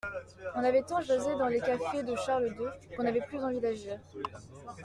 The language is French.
On avait tant jasé dans les cafés de Charles deux, qu'on n'avait plus envie d'agir.